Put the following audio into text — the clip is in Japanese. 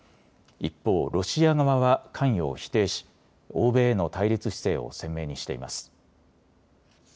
一方、ロシア側は関与を否定し欧米への対立姿勢を鮮明にしています。